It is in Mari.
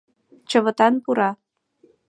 Чывытан пура.